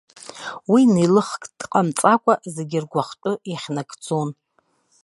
Уи неилыхк дҟамҵакәа, зегьы ргәахәтәы иахьнагӡон.